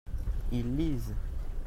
ils lisent.